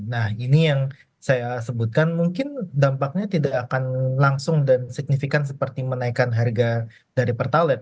nah ini yang saya sebutkan mungkin dampaknya tidak akan langsung dan signifikan seperti menaikkan harga dari pertalite